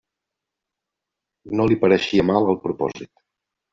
No li pareixia mal el propòsit.